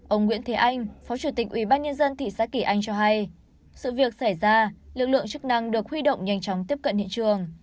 ông nguyễn thế anh phó chủ tịch ubnd thị xã kỳ anh cho hay sự việc xảy ra lực lượng chức năng được huy động nhanh chóng tiếp cận hiện trường